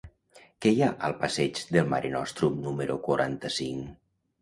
Què hi ha al passeig del Mare Nostrum número quaranta-cinc?